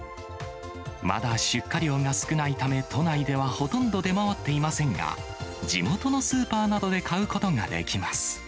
まだ出荷量が少ないため、都内ではほとんど出回っていませんが、地元のスーパーなどで買うことができます。